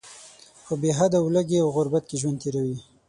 په بې حده ولږې او غربت کې ژوند تیروي.